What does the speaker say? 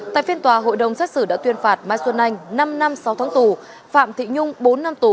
tại phiên tòa hội đồng xét xử đã tuyên phạt mai xuân anh năm năm sáu tháng tù phạm thị nhung bốn năm tù